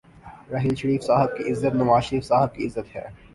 راحیل شریف صاحب کی عزت نوازشریف صاحب کی عزت ہے۔